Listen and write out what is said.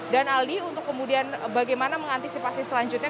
aldi untuk kemudian bagaimana mengantisipasi selanjutnya